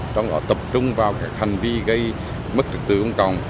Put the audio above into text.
trong đó tập trung vào các hành vi gây mất trực tư công cộng